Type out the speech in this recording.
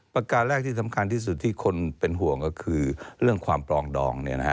ประการแรกที่สำคัญที่สุดที่คนเป็นห่วงก็คือเรื่องความปลองดอง